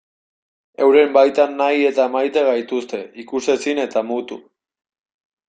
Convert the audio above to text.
Euren baitan nahi eta maite gaituzte, ikusezin eta mutu.